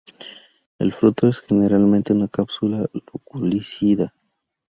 El fruto es generalmente una cápsula loculicida.